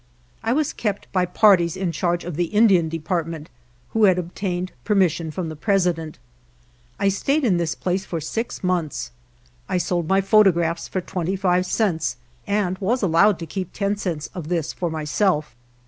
I was kept by parties in charge of the Indian Department, who had obtained permission from the President. I stayed in this place for six months. I sold my photographs for twenty five cents, and was allowed to keep ten cents of this for myself.